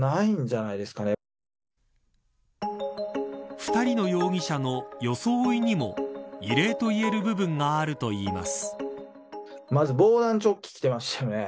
２人の容疑者の装いにも異例といえる部分があるといいます。